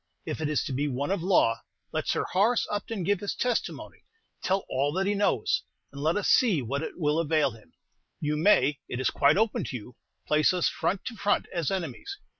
"If it is to be one of law, let Sir Horace Upton give his testimony, tell all that he knows, and let us see what it will avail him. You may it is quite open to you place us front to front as enemies.